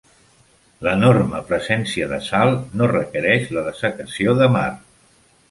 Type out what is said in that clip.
L'enorme presència de sal no requereix la dessecació de mar.